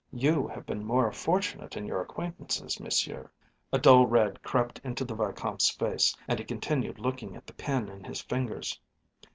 You have been more fortunate in your acquaintances, Monsieur." A dull red crept into the Vicomte's face, and he continued looking at the pen in his fingers.